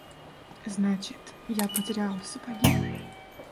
Значит я потерял сапоги?